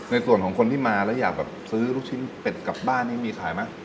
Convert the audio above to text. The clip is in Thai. ในส่วนของคนที่มาแล้วอยากแบบซื้อลูกชิ้นเป็ดกลับบ้านนี่มีขายไหม